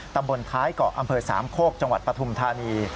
ตำบลท้ายเกาะอำเภอสามโคกจังหวัดปฐุมธานี